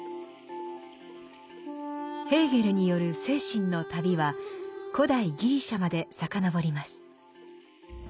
ヘーゲルによる精神の旅は古代ギリシャまで遡ります。